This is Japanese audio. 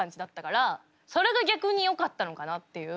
それが逆によかったのかなっていう。